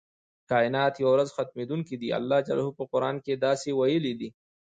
کائنات یوه ورځ ختمیدونکي دي الله ج په قران کې داسې ویلي دی.